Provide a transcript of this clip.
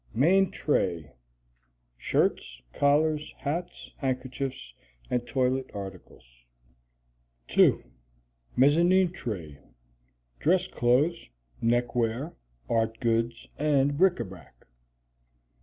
Main Tray. Shirts, collars, hats, handkerchiefs, and toilet articles. 2. Mezzanine Tray. Dress clothes, neckwear, art goods, and bric a brac.